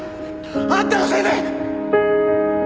あんたのせいで！